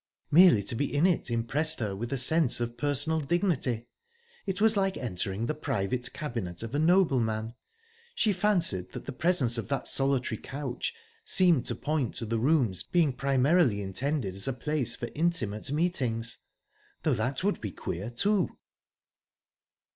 Merely to be in it impressed her with a sense of personal dignity; it was like entering the private cabinet of a nobleman...She fancied that the presence of that solitary couch seemed to point to the room's being primarily intended as a place for intimate meetings...though that would be queer, too!...